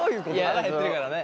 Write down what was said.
腹減ってるからね。